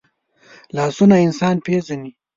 لاسونه انسان پېژني